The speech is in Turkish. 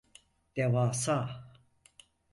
Devasa!